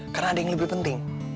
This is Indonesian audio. karena ada yang lebih penting